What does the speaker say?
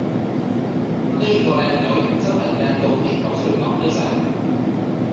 喱個靚女真係靚到跌落水揼一聲